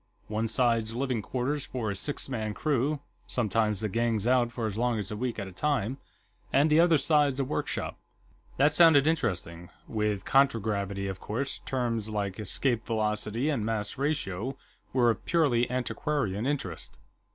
One side's living quarters for a six man crew sometimes the gang's out for as long as a week at a time and the other side's a workshop." That sounded interesting. With contragravity, of course, terms like "escape velocity" and "mass ratio" were of purely antiquarian interest.